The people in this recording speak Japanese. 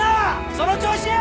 その調子や！